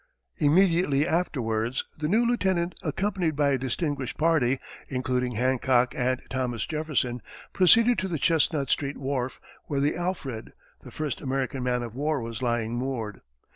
Immediately afterwards, the new lieutenant, accompanied by a distinguished party, including Hancock and Thomas Jefferson, proceeded to the Chestnut street wharf, where the Alfred, the first American man of war was lying moored.